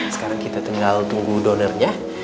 sekarang kita tinggal tunggu donornya